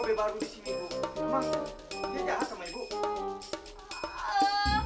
ob baru bu bukan ob lama yang udah meninggal